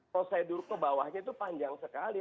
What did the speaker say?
prosedur kebawahnya itu panjang sekali